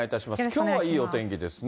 きょうはいいお天気ですね。